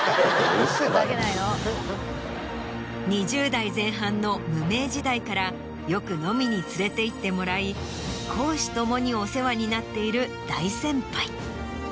２０代前半の無名時代からよく飲みに連れていってもらい公私ともにお世話になっている大先輩。